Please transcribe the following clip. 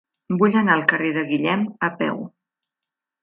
Vull anar al carrer de Guillem a peu.